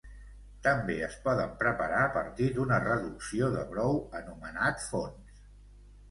També es poden preparar a partir d'una reducció de brou, anomenat fons.